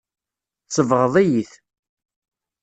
Tsebɣeḍ-iyi-t.